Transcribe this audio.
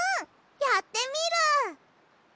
やってみる！